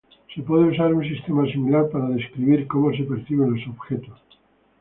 Se puede usar un sistema similar para describir cómo se perciben los objetos.